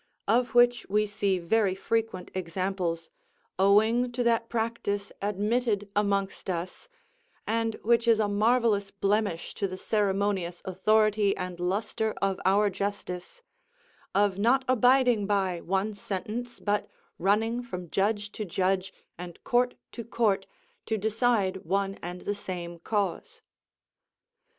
Of which we see very frequent examples, owing to that practice admitted amongst us, and which is a marvellous blemish to the ceremonious authority and lustre of our justice, of not abiding by one sentence, but running from judge to judge, and court to court, to decide one and the same cause.